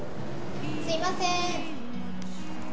すいません